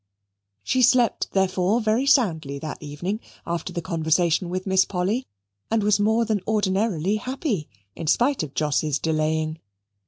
She slept, therefore, very soundly that evening, after the conversation with Miss Polly, and was more than ordinarily happy, in spite of Jos's delaying.